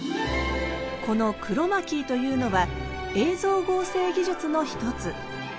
この「クロマキー」というのは映像合成技術の一つ。